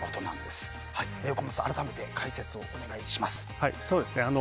岡本さん、改めて解説をお願いします。